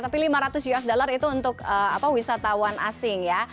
tapi lima ratus usd itu untuk wisatawan asing ya